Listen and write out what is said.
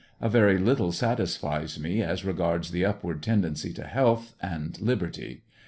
A very little satisfies me as regards the upward tendency to health and liberty.